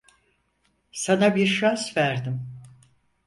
Sana bir şans verdim.